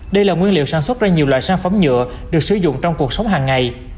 đây là nguyên liệu sản xuất ra nhiều loại sản phẩm nhựa được sử dụng trong cuộc sống hàng ngày